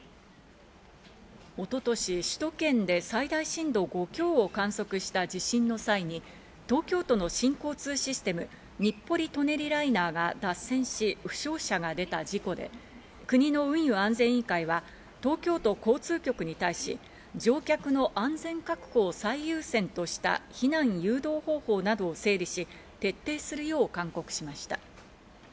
一昨年、首都圏で最大震度５強を観測した地震の際に東京都の新交通システム、日暮里・舎人ライナーが脱線し、負傷者が出た事故で、国の運輸安全委員会は東京都交通局に対し、乗客の安全確保を最優先とした、避難誘導方法などを整理し、徹底するよう勧告しました。